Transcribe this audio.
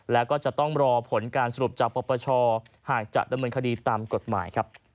แล้วก็จะต้องรอผลการสรุปจากปปชหากจะดำเนินคดีตามกฎหมายครับ